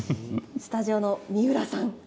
スタジオの三浦さん